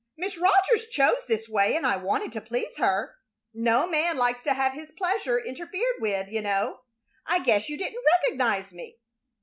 Miss Rogers chose this way, and I wanted to please her. No man likes to have his pleasure interfered with, you know. I guess you didn't recognize me?"